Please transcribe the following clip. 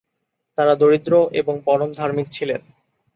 তারা দরিদ্র এবং পরম ধার্মিক ছিলেন।